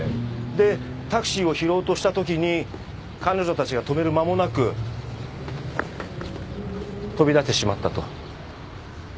でタクシーを拾おうとしたときに彼女たちが止める間もなく飛び出してしまったと。